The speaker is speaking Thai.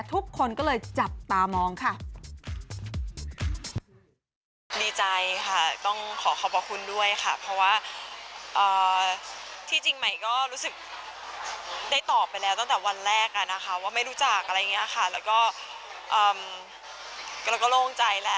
ทุกคนก็เลยจับตามองค่ะ